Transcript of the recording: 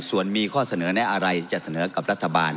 ส่วนมีข้อเสนอแนะอะไรจะเสนอกับรัฐบาล